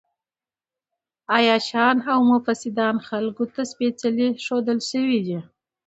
عياشان او مفسدان خلکو ته سپېڅلي ښودل شوي دي.